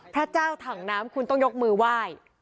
พระเจ้าถังน้ำคุณต้องยกมือไหว้